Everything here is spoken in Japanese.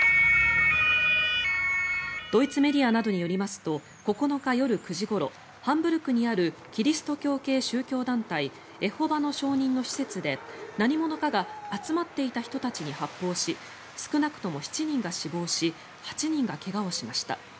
ドイツメディアなどによりますと９日夜９時ごろハンブルクにあるキリスト教系宗教団体エホバの証人の施設で何者かが集まっていた人たちに発砲し少なくとも７人が死亡し８人が怪我をしました。